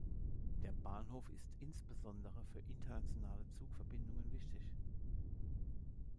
Der Bahnhof ist insbesondere für internationale Zugverbindungen wichtig.